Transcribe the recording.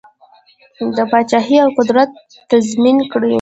دا پاچهي او قدرت تضمین کړي.